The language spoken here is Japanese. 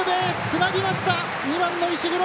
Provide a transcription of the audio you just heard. つなぎました２番の石黒。